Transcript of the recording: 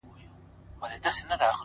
د شنه ارغند؛ د سپین کابل او د بوُدا لوري؛